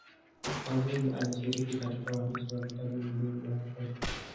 Couzyn alishiriki katika uandishi wa vitabu viwili vya watoto.